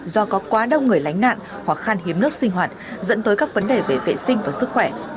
do có quá đông người lánh nạn hoặc khan hiếm nước sinh hoạt dẫn tới các vấn đề về vệ sinh và sức khỏe